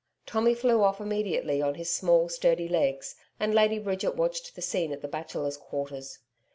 Tommy flew off immediately on his small, sturdy legs, and Lady Bridget watched the scene at the Bachelors' Quarters.